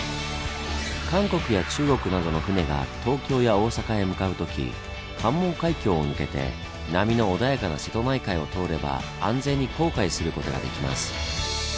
韓国や中国などの船が東京や大阪へ向かう時関門海峡を抜けて波の穏やかな瀬戸内海を通れば安全に航海する事ができます。